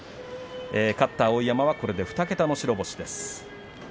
勝った碧山はこれで２桁の白星です。。